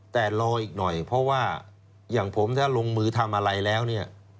แต่รออีกหน่อยเพราะว่าอย่างผมถ้าลงมือทำอะไรแล้วเนี่ย